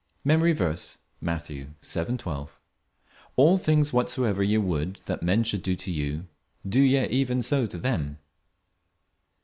MEMORY VERSE, Matthew 7: 12 "All things whatsoever ye would that men should do to you, do ye even so to them."